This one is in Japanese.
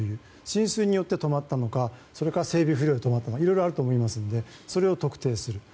浸水によって止まったのか整備不良で止まったのかいろいろあると思いますのでそれを特定する。